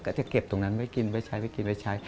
ก็จะกลับตรงนั้นไว้กินไว้ใช้